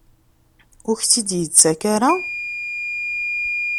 Ur ak-tt-id-yettak ara?